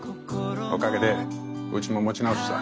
おかげでうちも持ち直した。